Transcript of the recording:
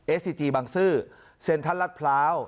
เอสซีจีบังซื้อเซ็นทรัลลักษณ์พลาว